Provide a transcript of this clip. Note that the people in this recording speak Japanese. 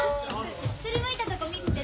すりむいたとこ見せて。